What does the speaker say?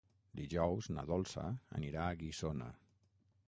Dijous na Dolça anirà a Guissona.